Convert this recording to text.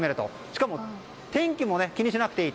しかも、天気も気にしなくていい。